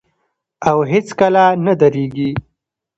او هیڅکله نه دریږي.